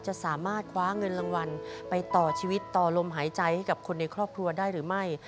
จะสามารถคว้าเงินรางวัลไปต่อชีวิตต่อลมหายใจให้กับคนในครอบครัวได้หรือไม่